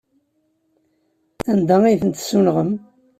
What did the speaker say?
Anda ay tent-tessunɣem?